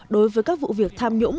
đối với các vụ việc tham nhũng